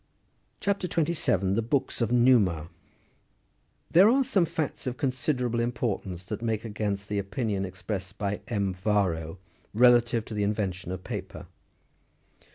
CHAP. 27. (13.) THE BOOKS OF NTJMA. There are some facts of considerable importance which make against the opinion expressed by M. Varro, relative to tho invention of paper.